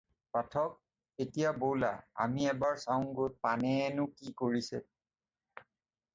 পাঠক! এতিয়া ব'লা, আমি এবাৰ চাওগৈ পানেয়েনো কি কৰিছে।